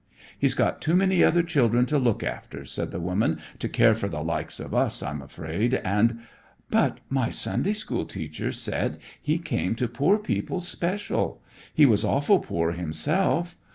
"He's got too many other children to look after," said the woman, "to care for the likes of us, I'm afraid, and " "But my Sunday school teacher said He came to poor people special. He was awful poor Himself.